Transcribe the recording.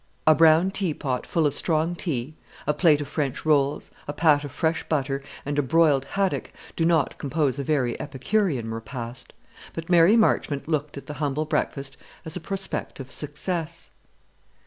A brown teapot full of strong tea, a plate of French rolls, a pat of fresh butter, and a broiled haddock, do not compose a very epicurean repast; but Mary Marchmont looked at the humble breakfast as a prospective success.